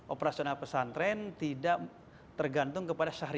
operasional pesantren tidak tergantung kepada sahariah santri